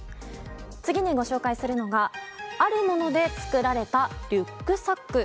次にご紹介するのがあるもので作られたリュックサック。